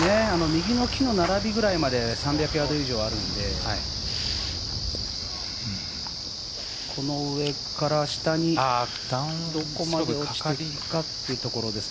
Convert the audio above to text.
右の木の並びぐらいまで３００ヤード以上あるのでこの上から下にどこまで落ちていくかというところです。